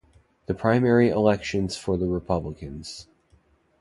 The primary elections for the Republican.